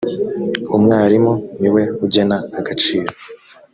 umwarimu niwe ujyena agaciro.